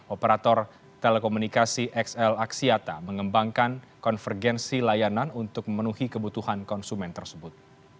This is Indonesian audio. operator telekomunikasi xl aksiata mengembangkan konvergensi layanan untuk memenuhi kebutuhan konsumen tersebut